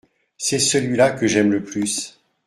C’est celui-là que j’aime le plus.